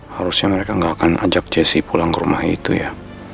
harusnya mereka nggak akan ajak jessi pulang ke rumah itu ya